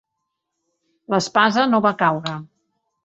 L'espasa no va caure.